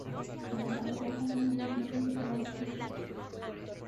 En la marea baja, las rocas no son separadas por el agua.